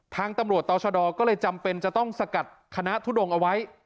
ทางตำรวจต่อชะดอก็เลยจำเป็นจะต้องสกัดคณะทุดงเอาไว้